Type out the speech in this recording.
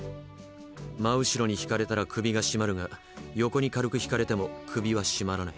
真後ろに引かれたら首が絞まるが横に軽く引かれても首は絞まらない。